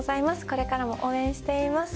これからも応援しています。